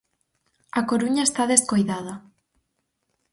A Coruña está descoidada.